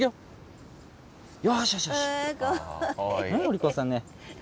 お利口さんね。